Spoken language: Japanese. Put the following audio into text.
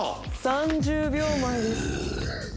３０秒前です